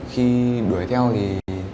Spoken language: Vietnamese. khi đuổi theo thì